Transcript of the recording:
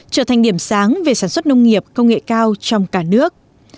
trở thành điểm sáng về sản xuất nông nghiệp công nghệ cao trong cả nước